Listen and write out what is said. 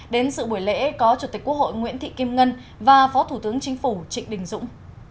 đến sự buổi lễ có chủ tịch quốc hội nguyễn thị kim ngân và phó thủ tướng chính phủ trịnh đình dũng